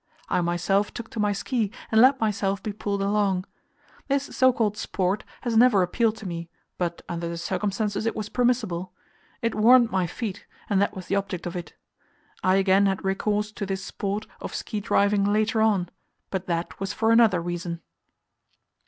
I myself took to my ski and let myself be pulled along. This so called sport has never appealed to me, but under the circumstances it was permissible; it warmed my feet, and that was the object of it. I again had recourse to this "sport" of ski driving later on, but that was for another reason.